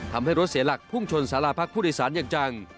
ทำให้รถเสียหลักพุ่งชนสาราพักผู้โดยสารอย่างจัง